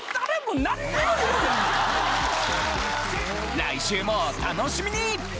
来週もお楽しみに！